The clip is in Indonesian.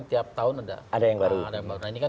tiap tahun ada ada yang baru nah ini kan